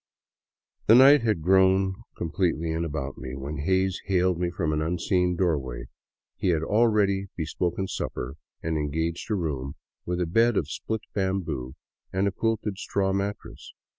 The night had grown completely in about me, when Hays hailed me from an unseen doorway. He had already bespoken supper and en gaged a room with a bed of split bamboo and a quilted straw mat tress.